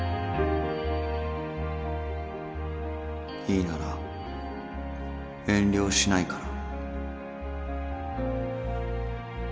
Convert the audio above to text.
いいなら遠慮しないから。